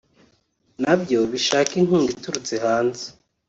na byo bishaka inkunga iturutse hanze